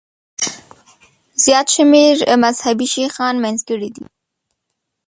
زیات شمېر مذهبي شیخان منځګړي دي.